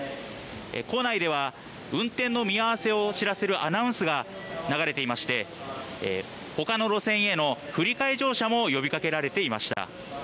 構内では運転の見合わせを知らせるアナウンスが流れていましてほかの路線への振り替え乗車も呼びかけられていました。